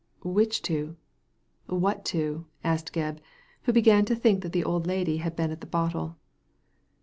"Which two? What two?" asked Gebb, who b^an to think that the old lady had been at the bottle.